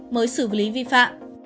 mới xử lý vi phạm